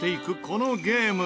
このゲーム。